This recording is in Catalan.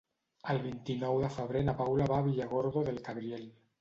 El vint-i-nou de febrer na Paula va a Villargordo del Cabriel.